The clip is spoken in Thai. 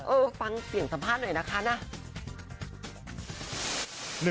เออฟังเสียงสัมภาษณ์หน่อยนะคะนะ